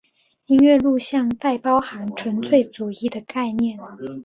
音乐录像带包含纯粹主义的概念。